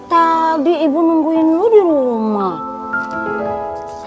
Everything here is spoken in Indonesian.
tadi ibu nungguin lu di rumah